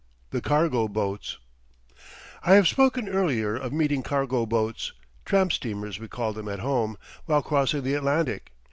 THE CARGO BOATS I have spoken earlier of meeting cargo boats tramp steamers, we call them at home while crossing the Atlantic.